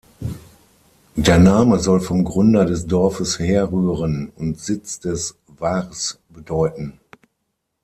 Der Name soll vom Gründer des Dorfes herrühren und "Sitz des Wars" bedeuten.